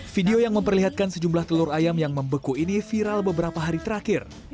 video yang memperlihatkan sejumlah telur ayam yang membeku ini viral beberapa hari terakhir